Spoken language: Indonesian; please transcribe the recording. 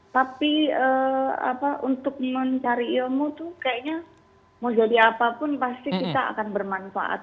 tapi untuk mencari ilmu tuh kayaknya mau jadi apapun pasti kita akan bermanfaat